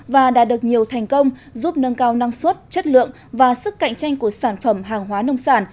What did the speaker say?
và đã được nhiều thành công giúp nâng cao năng suất chất lượng và sức cạnh tranh của sản phẩm hàng hóa nông sản